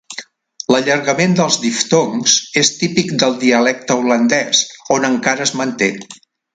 L'allargament dels diftongs és típic del dialecte holandès, on encara es manté.